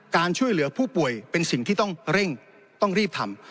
การช่วยเหลือผู้ป่วยเป็นสิ่งที่ต้องเร่งต้องรีบทำ